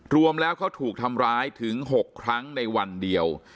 รวมแล้วเขาถูกทำร้ายถึง๖ครั้งในวันเดียว